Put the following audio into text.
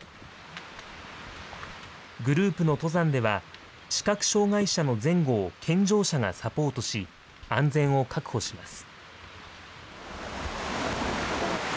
グループの登山では、視覚障害者の前後を健常者がサポートし、安全を確保します。